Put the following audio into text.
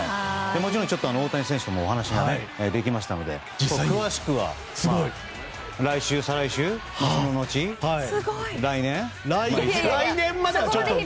もちろん大谷選手ともお話ができましたので詳しくは来週、再来週来年まではちょっと。